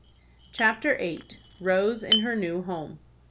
CHAPTER VIII. ROSE IN HER NEW HOME.